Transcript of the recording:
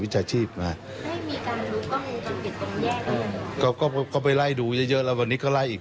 คือก็ไปไล่ดูเยอะแล้ววันนี้ก็ไล่อีก